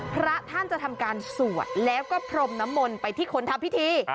พระท่านจะทำการสวดแล้วก็พรมน้ำมนต์ไปที่คนทำพิธี